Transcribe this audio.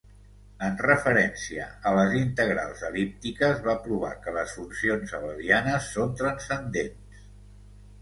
En referència a les integrals el·líptiques, va provar que les funcions abelianes són transcendents.